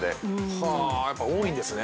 はぁやっぱ多いんですね。